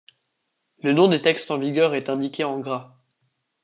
Le nom des textes en vigueur est indiqué en gras.